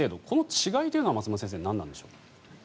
この違いは松本先生何なんでしょうか。